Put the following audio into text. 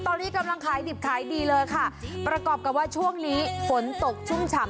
ตอนนี้กำลังขายดิบขายดีเลยค่ะประกอบกับว่าช่วงนี้ฝนตกชุ่มฉ่ำ